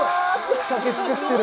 仕掛け作ってる！